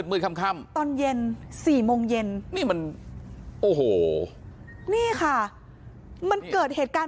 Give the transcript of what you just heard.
มืดค่ำตอนเย็น๔โมงเย็นนี่มันโอ้โหนี่ค่ะมันเกิดเหตุการณ์